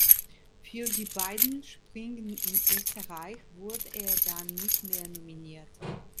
Für die beiden Springen in Österreich wurde er dann nicht mehr nominiert.